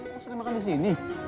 maksudnya makan di sini